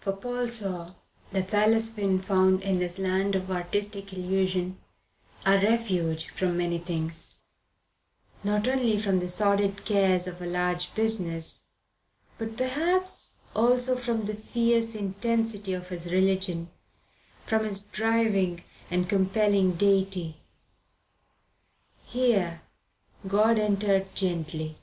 For Paul saw that Silas Finn found in this land of artistic illusion a refuge from many things; not only from the sordid cares of a large business, but perhaps also from the fierce intensity of his religion, from his driving and compelling deity. Here God entered gently.